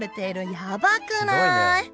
やばくない？